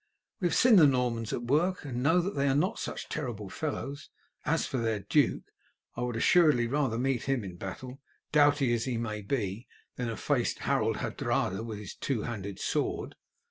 We have seen the Normans at work, and know that they are not such terrible fellows; and as for their duke, I would assuredly rather meet him in battle, doughty as he may be, than have faced Harold Hardrada with his two handed sword."